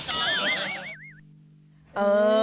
ใช่